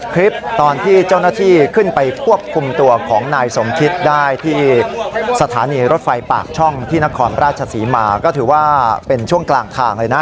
คลิปตอนที่เจ้าหน้าที่ขึ้นไปควบคุมตัวของนายสมคิตได้ที่สถานีรถไฟปากช่องที่นครราชศรีมาก็ถือว่าเป็นช่วงกลางทางเลยนะ